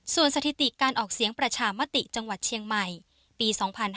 ส่วนสถิติการออกเสียงประชามติจังหวัดเชียงใหม่ปี๒๕๕๙